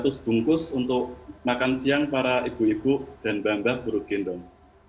total kita tiga ratus bungkus untuk makan siang para ibu ibu dan bambat buruh gendong